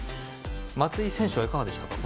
松井選手はいかがでしたか。